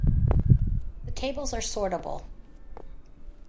The tables are sortable.